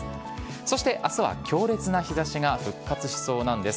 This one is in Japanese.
そしてあすは強烈な日ざしが復活しそうなんです。